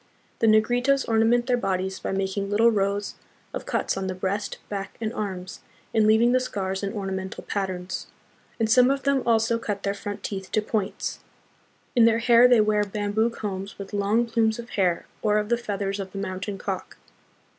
The Negritos ornament their bodies by making little rows of cuts on the breast, back, and arms, and leaving the scars in ornamental patterns; and some of them also cut their front teeth to points. In their hair they wear bamboo combs with long plumes of hair or of the feathers of the mountain cock.